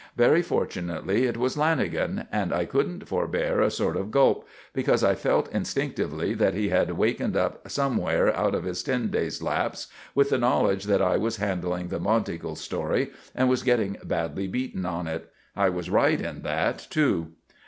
Very fortunately, it was Lanagan; and I couldn't forbear a sort of gulp, because I felt instinctively that he had wakened up somewhere out of his ten days' lapse, with the knowledge that I was handling the Monteagle story and was getting badly beaten on it. I was right in that, too.